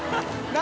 何？